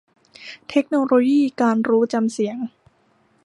เทคโนโลยีการรู้จำเสียง